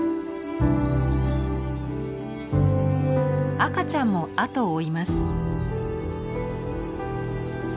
赤ちゃんもあとを追います。